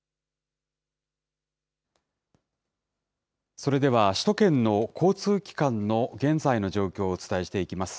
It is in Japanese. それでは、首都圏の交通機関の現在の状況をお伝えしていきます。